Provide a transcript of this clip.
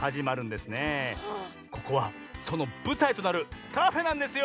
ここはそのぶたいとなるカフェなんですよ！